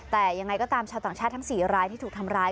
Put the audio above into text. แต่ยังไงก็ตามชาวต่างชาติทั้ง๔รายที่ถูกทำร้าย